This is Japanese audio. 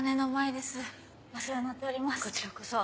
こちらこそ。